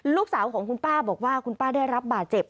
ลูกสาวของคุณป้าบอกว่าคุณป้าได้รับบาดเจ็บ